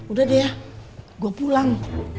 udah deh gue pulang